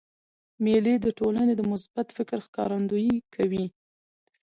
مېلې د ټولني د مثبت فکر ښکارندویي کوي.